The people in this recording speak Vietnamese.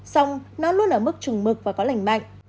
xong nó luôn ở mức trùng mực và có lành mạnh